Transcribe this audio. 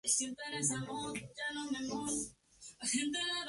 Éste golpe llevaría al poder a Abdul Karim Qasim.